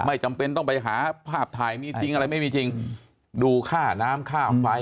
จำเป็นต้องไปหาภาพถ่ายมีจริงอะไรไม่มีจริงดูค่าน้ำค่าไฟ